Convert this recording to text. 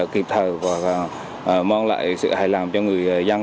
kịp thời và mang lại sự hài lòng cho người dân